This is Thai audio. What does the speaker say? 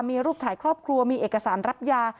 มีรูปถ่ายครอบครัวมีเอกสารรับยา